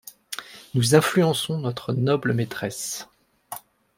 Nous influençons notre noble maîtresse.